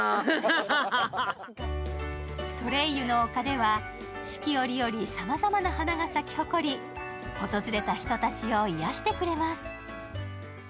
ソレイユの丘では四季折々さまざまな花が咲き誇り訪れた人たちを癒やしてくれます。